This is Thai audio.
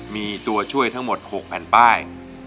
มีตัวช่วยทั้งหมด๖แผ่นป้าย